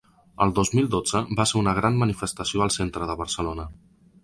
El dos mil dotze, va ser una gran manifestació al centre de Barcelona.